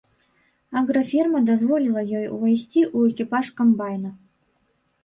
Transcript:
Аграфірма дазволіла ёй увайсці ў экіпаж камбайна.